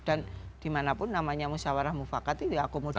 dan dimanapun namanya musyawarah mufakat itu ya akomodatif